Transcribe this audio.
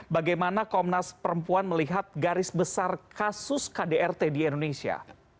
bagaimana komnas perempuan melihat garis besar kasus kdrt di indonesia